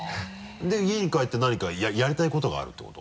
で家に帰って何かやりたいことがあるってこと？